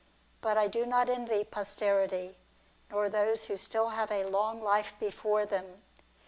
But I do not envy posterity, nor those who have still a long life before them.